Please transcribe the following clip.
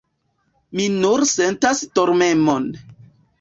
Mi nur sentas dormemon.